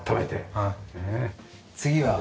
次は。